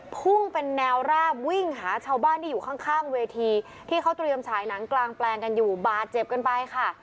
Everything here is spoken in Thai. พุ่งเป็นแนวราบวิ่งหาชาวบ้านที่อยู่ข้างเวทีที่เขาเตรียมฉายหนังกลางแปลงกันอยู่บาดเจ็บกันไปค่ะ